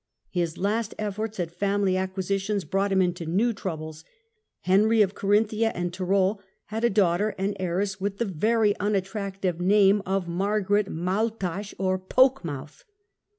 His last efforts at family acquisitions brought him into new troubles. Henry of Carinthia and Tyrol had a daughter and heiress with the very unattractive name of Margaret Maultasch or " Poke mouth